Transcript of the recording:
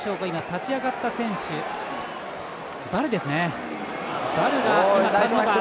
立ち上がった選手、ヴァルですね。